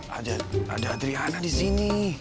ada adriana di sini